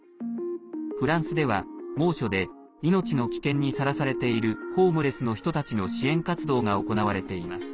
フランスでは、猛暑で命の危険にさらされているホームレスの人たちの支援活動が行われています。